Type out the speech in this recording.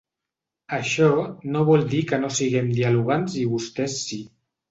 Això no vol dir que no siguem dialogants i vostès sí.